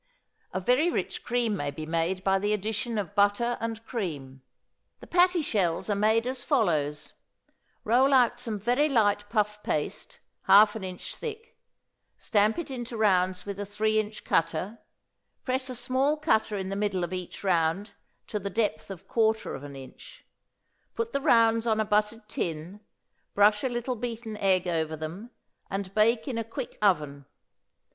A very rich sauce may be made by the addition of butter and cream. The patty shells are made as follows: Roll out some very light puff paste, half an inch thick; stamp it in rounds with a three inch cutter, press a small cutter in the middle of each round to the depth of quarter of an inch; put the rounds on a buttered tin, brush a little beaten egg over them, and bake in a quick oven.